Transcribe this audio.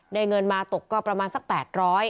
เงินมาตกก็ประมาณสัก๘๐๐บาท